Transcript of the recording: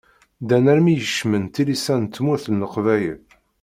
Ddan armi i kecmen tilisa n tmurt n Leqbayel.